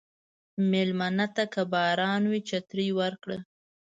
مېلمه ته که باران وي، چترې ورکړه.